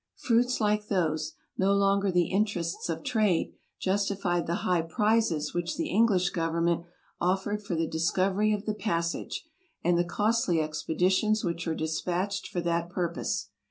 Fruits like those, no longer the interests of trade, justified the high prizes which the English Government offered for the discovery of the passage, and the costly expeditions which were dispatched for that purpose.